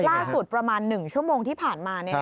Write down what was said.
ล่าสุดประมาณ๑ชั่วโมงที่ผ่านมา